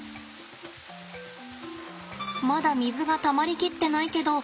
まだ水がたまり切ってないけど。